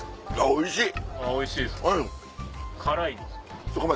おいしい。